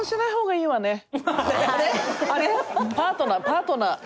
パートナーパートナー。